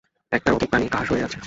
একটার অধিক প্রাণ কাহার শরীরে আছে।